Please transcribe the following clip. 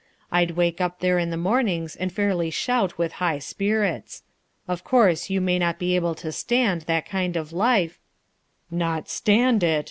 I'd wake up there in the mornings and fairly shout with high spirits. Of course, you may not be able to stand that kind of life " "Not stand it!"